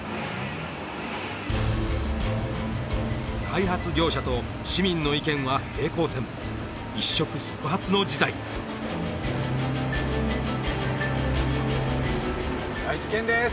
開発業者と市民の意見は平行線一触即発の事態はい危険です